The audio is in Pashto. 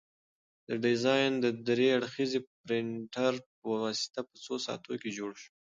دا ډیزاین د درې اړخیزه پرنټر په واسطه په څو ساعتونو کې جوړ شو.